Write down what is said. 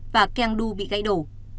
và keang đu bị gãy đổ